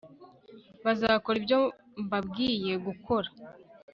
bazakora ibyo mbabwiye gukora